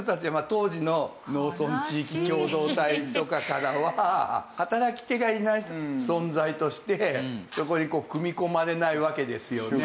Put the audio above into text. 当時の農村地域共同体とかからは働き手がいない存在としてそこに組み込まれないわけですよね。